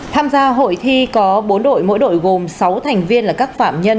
tham gia hội thi có bốn đội mỗi đội gồm sáu thành viên là các phạm nhân